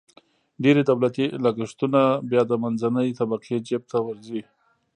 ډېری دولتي لګښتونه بیا د منځنۍ طبقې جیب ته ورځي.